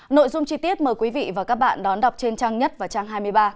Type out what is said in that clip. nội dung chi tiết mời quý vị và các bạn đón đọc trên trang nhất và trang hai mươi ba